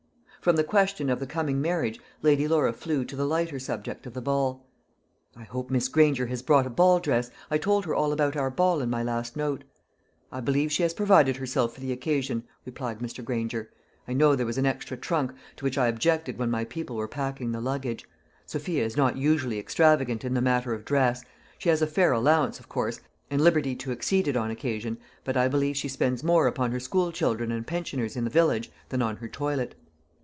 From the question of the coming marriage, Lady Laura flew to the lighter subject of the ball. "I hope Miss Granger has brought a ball dress; I told her all about our ball in my last note." "I believe she has provided herself for the occasion," replied Mr. Granger. "I know there was an extra trunk, to which I objected when my people were packing the luggage. Sophia is not usually extravagant in the matter of dress. She has a fair allowance, of course, and liberty to exceed it on occasion; but I believe she spends more upon her school children and pensioners in the village than on her toilet."